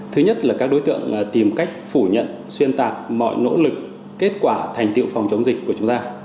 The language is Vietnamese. thứ nhất là các đối tượng tìm cách phủ nhận xuyên tạc mọi nỗ lực kết quả thành tiệu phòng chống dịch của chúng ta